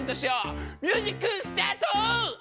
ミュージックスタート！